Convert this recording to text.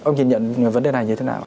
ông nhìn nhận vấn đề này như thế nào